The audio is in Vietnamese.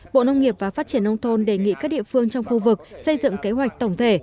bộ nông nghiệp và phát triển nông thôn đề nghị các địa phương trong khu vực xây dựng kế hoạch tổng thể